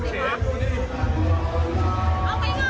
รู้จักกันก่อน